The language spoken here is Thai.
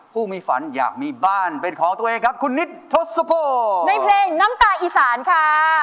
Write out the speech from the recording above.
ผู้มีฝันอยากมีบ้านเป็นของตัวเองครับคุณนิดทศพในเพลงน้ำตาอีสานค่ะ